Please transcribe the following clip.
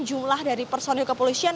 jumlah dari personil kepolisian